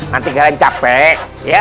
nanti kalian capek ya